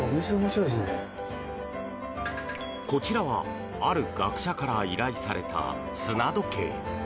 こちらはある学者から依頼された砂時計。